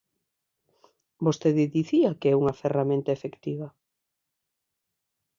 Vostede dicía que é unha ferramenta efectiva.